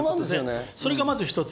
それがまず一つ。